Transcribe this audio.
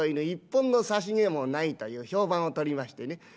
一本の差し毛もないという評判を取りましてね